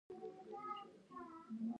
د انسان پراخ نفوذ د نوښت او انعطاف نښه ده.